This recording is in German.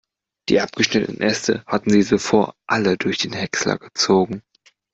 Die abgeschnittenen Äste hatten sie zuvor alle durch den Häcksler gezogen.